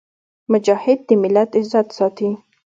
مجاهد د ملت عزت ساتي.